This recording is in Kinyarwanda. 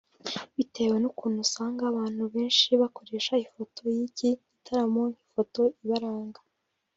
bitewe n’ukuntu usanga abantu benshi bakoresha ifoto y’iki gitaramo nk’ifoto ibaranga